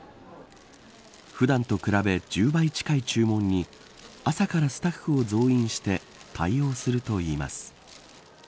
普段と比べ１０倍近い注文に朝からスタッフを増員して対応するといいます。